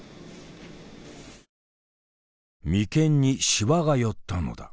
眉間にしわが寄ったのだ。